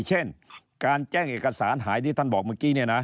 เช่นการแจ้งเอกสารหายที่ท่านบอกเมื่อกี้